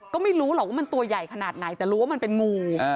ก็ไม่รู้หรอกว่ามันตัวใหญ่ขนาดไหนแต่รู้ว่ามันเป็นงู